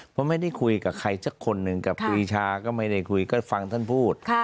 เพราะไม่ได้คุยกับใครสักคนหนึ่งกับปรีชาก็ไม่ได้คุยก็ฟังท่านพูด